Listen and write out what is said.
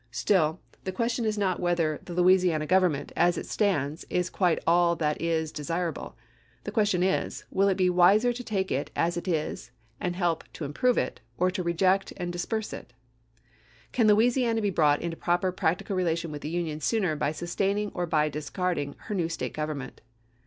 " Still, the question is not whether the Louisiana government, as it stands, is quite all that is desir able. The question is, will it be wiser to take it as it is and help to improve it, or to reject and dis perse it? Can Louisiana be brought into proper practical relation with the Union sooner by sustain ing or by discarding her new State government?